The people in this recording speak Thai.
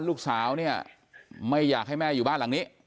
ลูกสาวเนี่ยไม่อยากให้แม่อยู่บ้านหลังนี้